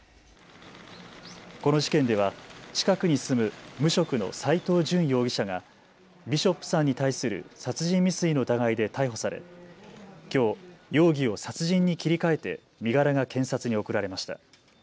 この事件では近くに住む無職の斎藤淳容疑者がビショップさんに対する殺人未遂の疑いで逮捕されきょう、容疑を殺人に切り替えて身柄が検察に送られました。